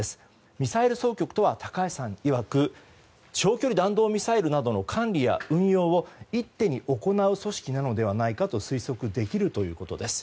ミサイル総局とは高橋さんいわく長距離弾道ミサイルなどの管理や運用を一手に行う組織なのではないかと推測できるということです。